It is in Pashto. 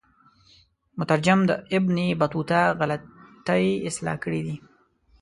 مترجم د ابن بطوطه غلطی اصلاح کړي دي.